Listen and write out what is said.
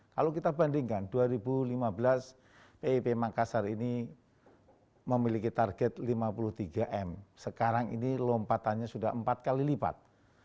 kalau kita bandingkan dua ribu lima belas pip makassar ini memiliki target lima puluh tiga m sekarang ini lompatannya sudah empat kali lipat